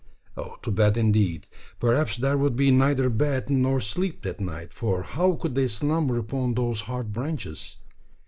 Ah! to bed indeed. Perhaps there would be neither bed nor sleep that night: for how could they slumber upon those hard branches?